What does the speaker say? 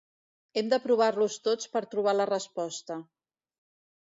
Hem de provar-los tots per trobar la resposta.